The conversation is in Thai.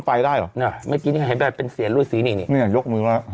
ได้เหรอเนี้ยเมื่อกี้นี้ว่าแบบเป็นแสนรูเวชินี่นี่นี่เนี้ยยกมือแล้ว